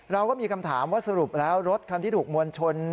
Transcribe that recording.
เราก็มีคำถามว่าสรุปแล้วรถคันที่ถูกมวลชน